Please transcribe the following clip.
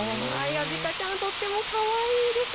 あびかちゃんとってもかわいいです。